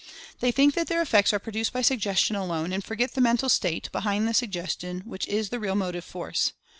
They think that their effects are produced by Suggestion alone, and forget the Mental State behind the Suggestion which is the real motive force.